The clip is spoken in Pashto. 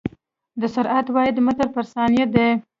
د سرعت واحد متر پر ثانیه دی.